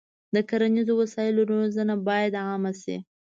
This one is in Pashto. د کرنیزو وسایلو روزنه باید عامه شي.